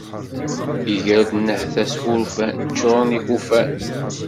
Iger-d nnehta s wurfan, ččuṛen ikufan.